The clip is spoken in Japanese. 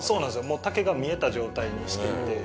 もう竹が見えた状態にしていて。